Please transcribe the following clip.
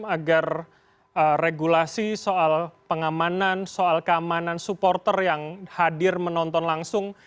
agar regulasi soal pengamanan soal keamanan supporter yang hadir menonton langsung